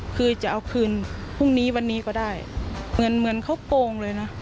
คือจะเอาคืนพรุ่งนี้วันนี้ก็ได้เหมือนเหมือนเขาโกงเลยนะ